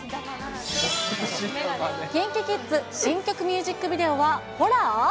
ＫｉｎＫｉＫｉｄｓ、新曲ミュージックビデオは、ホラー？